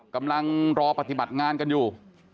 กำลังรอปฏิบัติงานกันอยู่